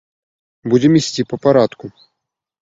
Будзем ісці па парадку.